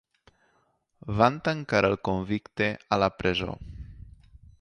Van tancar el convicte a la presó.